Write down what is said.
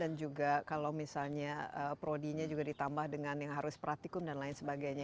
dan juga kalau misalnya prodi nya juga ditambah dengan yang harus pratikum dan lain sebagainya